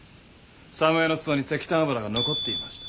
作務衣の裾に石炭油が残っていました。